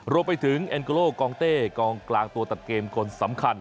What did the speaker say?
รวมไปถึงเอ็นโกโลกองเต้กองกลางตัวตัดเกมคนสำคัญ